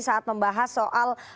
saat membahas soal